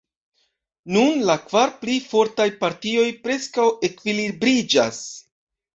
Nun la kvar pli fortaj partioj preskaŭ ekvilibriĝas.